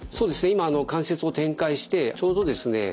今関節を展開してちょうどですね